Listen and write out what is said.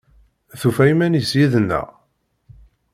Tufa iman-is yid-neɣ?